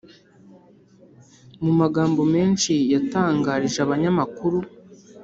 mu magambo menshi yatangarije abanyamakuru,